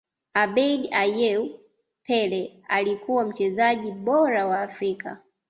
abedi ayew pele alikuwa mchezaji bora wa afrika